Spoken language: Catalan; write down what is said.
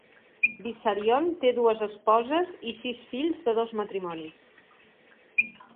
Vissarion té dues esposes i sis fills de dos matrimonis.